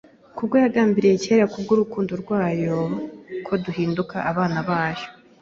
kuko yagambiriye kera k’ubwo urukundo rwayo koduhinduka abana bayo